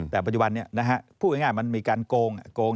แต่ปัจจุบันนี้พูดง่ายมันมีการโกง